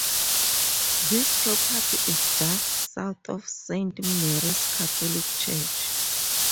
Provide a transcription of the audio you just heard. This property is just south of Saint Mary's Catholic church.